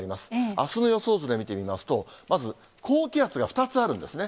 あすの予想図で見てみますと、まず、高気圧が２つあるんですね。